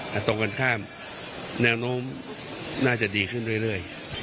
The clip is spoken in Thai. แต่ตรงกันข้ามแนวโน้มน่าจะดีขึ้นเรื่อย